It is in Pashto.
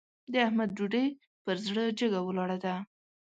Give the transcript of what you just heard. د احمد ډوډۍ پر زړه جګه ولاړه ده.